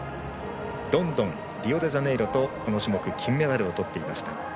ロンドン、リオデジャネイロとこの種目金メダルをとっていました。